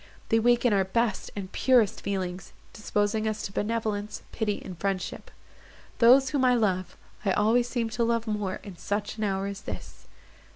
They waken our best and purest feelings, disposing us to benevolence, pity, and friendship. Those whom I love—I always seem to love more in such an hour as this."